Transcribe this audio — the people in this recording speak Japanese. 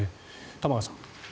玉川さん。